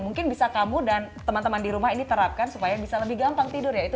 mungkin bisa kamu dan teman teman di rumah ini terapkan supaya bisa lebih gampang tidur ya itu